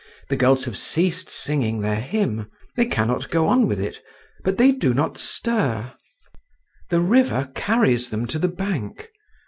The girls have ceased singing their hymn—they cannot go on with it, but they do not stir, the river carries them to the bank.